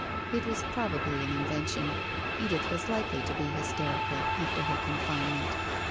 It was probably an invention. Edith was likely to be hysterical after her confinement.